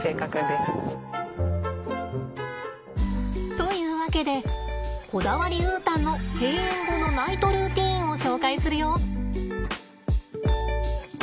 というわけでこだわりウータンの閉園後のナイトルーティンを紹介するよ。